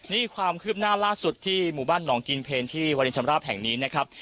นี่ความคืบหน้าล่าสุดที่หมู่บ้านหนองกินเพลที่วารินชำราบแห่งนี้นะครับ